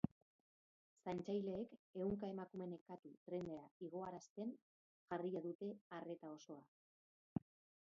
Zaintzaileek ehunka emakume nekatu trenera igoarazten jarria dute arreta osoa.